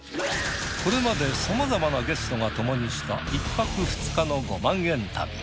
これまで様々なゲストが共にした１泊２日の５万円旅。